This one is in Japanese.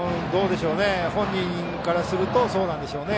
本人からするとそうなんでしょうね。